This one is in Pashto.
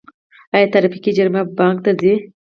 آیا ټرافیکي جریمې بانک ته ځي؟